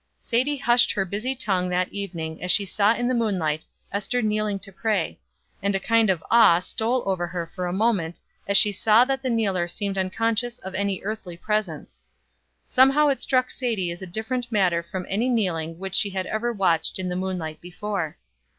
Sadie hushed her busy tongue that evening as she saw in the moonlight Ester kneeling to pray; and a kind of awe stole over her for a moment as she saw that the kneeler seemed unconscious of any earthly presence. Somehow it struck Sadie as a different matter from any kneeling which she had ever watched in the moonlight before.